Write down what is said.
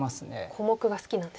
小目が好きなんですかね。